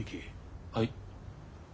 はい。